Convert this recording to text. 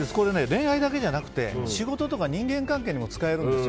恋愛だけじゃなくて仕事とか人間関係にも使えるんです。